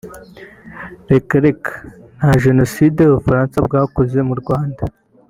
"reka reka nta Genocide ubufransa bwakoze mu rwanda